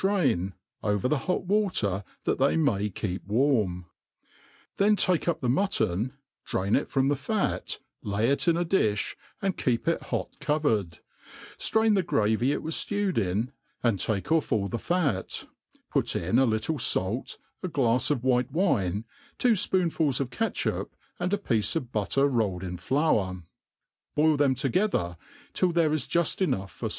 drain, over the hot water that they may keep warm ^ then take up the mutton, drain it from the fat, lay it in a difh, and keep it hot covered ; ftrain the gravy it was ftewed in, and take ofF all the fat, put in a little fait, a glafs of white wine, two Tpoonfuls of catchup, and a pxce of butter rolled in flour, ^ boil them together till there is juft enough, for.